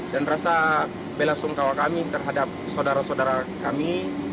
dan rasa bela sungkawa kami terhadap saudara saudara kami